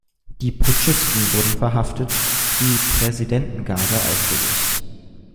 Die Putschisten wurden verhaftet, die Präsidentengarde aufgelöst.